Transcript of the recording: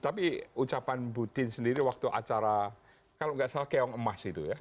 tapi ucapan bu tien sendiri waktu acara kalau nggak salah keong emas itu ya